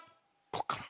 こっから。